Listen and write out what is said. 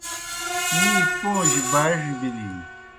می پوں جیْ باڙیْ بِلِن۔